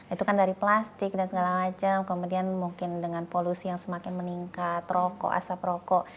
itu kan dari plastik dan segala macam kemudian mungkin dengan polusi yang semakin meningkat rokok asap rokok